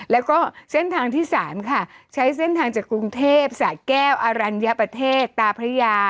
แล้วก็เส้นทางที่๓ค่ะใช้เส้นทางจากกรุงเทพสะแก้วอรัญญประเทศตาพระยา